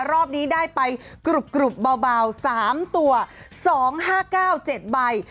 รอบนี้ได้ไปกรุบเบา๓ตัว๒๕๙๗ใบ